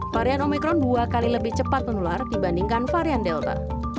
varian omikron dua kali lebih cepat menular dibandingkan varian delta